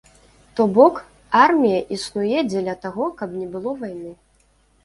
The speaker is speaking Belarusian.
То бок, армія існуе дзеля таго, каб не было вайны.